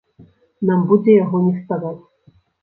Нам будзе яго не ставаць.